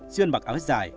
chuyên mặc áo dài